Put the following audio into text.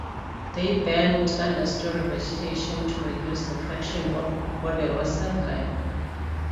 They burned understory vegetation to reduce the fraction of Ponderosa Pine.